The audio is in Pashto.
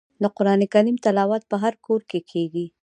د قران کریم تلاوت په هر کور کې کیږي.